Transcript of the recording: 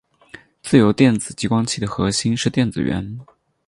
自由电子激光器的核心是电子源。